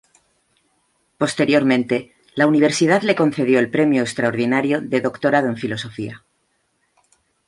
Posteriormente, la Universidad le concedió el premio extraordinario de doctorado en filosofía.